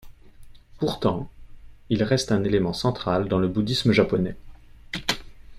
Pourtant, il reste un élément central dans le bouddhisme japonais.